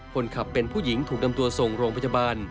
คนขับเป็นผู้หญิงถูกนำตัวส่งโรงพยาบาล